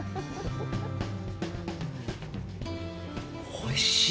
おいしい。